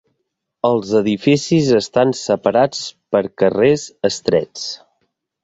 Els edificis estan separats per carrers estrets.